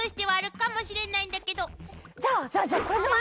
じゃあじゃあじゃあこれじゃない？